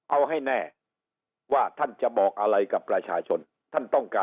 เอาให้แน่ว่าท่านจะบอกอะไรกับประชาชนท่านต้องการ